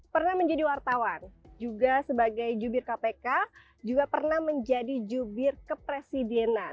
pernah menjadi wartawan juga sebagai jubir kpk juga pernah menjadi jubir kepresidenan